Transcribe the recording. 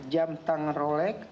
jam tangan rolek